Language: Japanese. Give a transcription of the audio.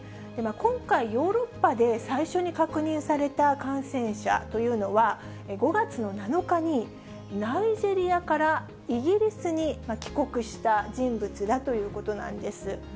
今回、ヨーロッパで最初に確認された感染者というのは、５月の７日にナイジェリアからイギリスに帰国した人物だということなんです。